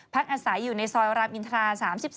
อาศัยอยู่ในซอยรามอินทรา๓๒